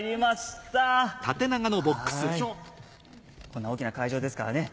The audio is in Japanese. こんな大きな会場ですからね